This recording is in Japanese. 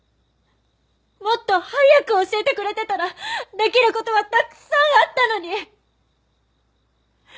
もっと早く教えてくれてたらできる事はたくさんあったのに！